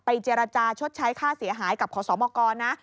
เจรจาชดใช้ค่าเสียหายกับขอสมกรนะ